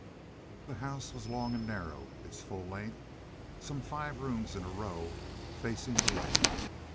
The house was long and narrow, its full length—some five rooms in a row—facing the lake.